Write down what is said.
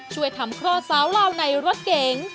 ช่วยทำคลอดสาวลาวในรถเก๋ง